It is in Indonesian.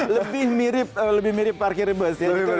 lebih mirip parkir bus